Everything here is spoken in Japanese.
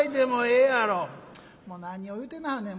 「もう何を言うてなはるねん。